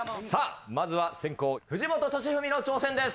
まずは先攻藤本敏史の挑戦です。